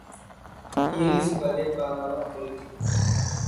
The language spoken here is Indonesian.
Healy sebagai pahlawan politik.